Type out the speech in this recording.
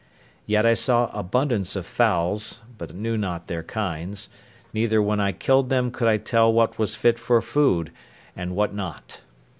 Yet I saw abundance of fowls, but knew not their kinds; neither when I killed them could I tell what was fit for food, and what not.